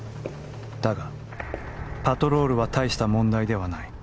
だが、パトロールは大した問題ではない。